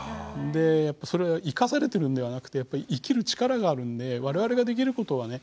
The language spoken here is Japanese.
でそれ生かされてるんではなくてやっぱり生きる力があるんで我々ができることはね